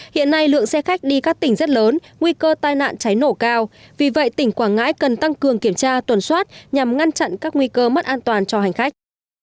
hiện nay lượng xe khách đi các tỉnh rất lớn nguy cơ tai nạn cháy nổ cao vì vậy tỉnh quảng ngãi cần tăng cường kiểm tra tuần soát nhằm ngăn chặn các nguy cơ mất an toàn cho hành khách